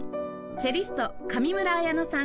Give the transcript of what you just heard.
チェリスト上村文乃さん